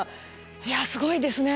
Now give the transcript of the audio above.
いやすごいですね。